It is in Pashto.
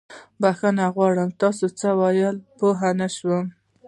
بښنه غواړم، تاسې څه وويل؟ پوه نه شوم.